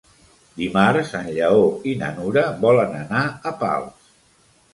Dimarts en Lleó i na Nura volen anar a Pals.